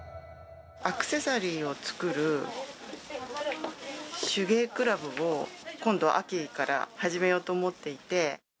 アクセサリーを作る手芸クラブを今度、秋から始めようと思っていて。